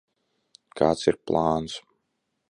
Kāds ir plāns?